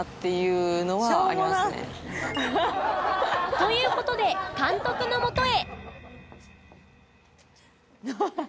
という事で監督のもとへ